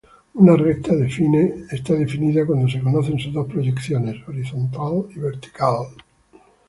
Una recta está definida cuando se conocen sus dos proyecciones, horizontal y vertical.